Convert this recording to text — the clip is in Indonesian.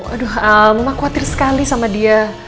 aduh mama khawatir sekali sama dia